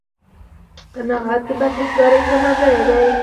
قناعت، د پرهېزکارۍ ښه ملګری دی